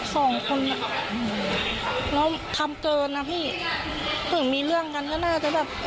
สองคนแล้วทำเกินนะพี่ถึงมีเรื่องกันก็น่าจะแบบ